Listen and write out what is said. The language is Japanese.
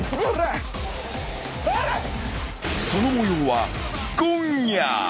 ［その模様は今夜］